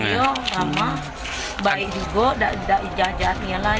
tidak ada baguslah